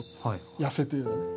痩せて。